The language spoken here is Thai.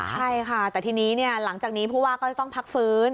ใช่ค่ะแต่ทีนี้เนี่ยหลังจากนี้ภูวาก็ต้องพักฟื้น